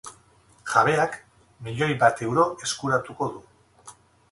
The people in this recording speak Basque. Jabeak milioi bat euro eskuratuko du.